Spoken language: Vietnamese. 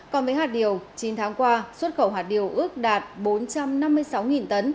còn với hạt điều chín tháng qua xuất khẩu hạt điều ước đạt bốn trăm năm mươi sáu tấn